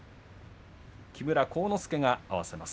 木村晃之助が合わせます。